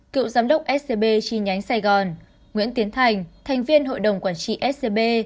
cựu giám đốc scb chi nhánh sài gòn nguyễn tiến thành thành viên hội đồng quản trị scb